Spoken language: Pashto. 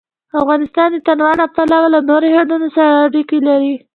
افغانستان د تنوع له پلوه له نورو هېوادونو سره اړیکې لري.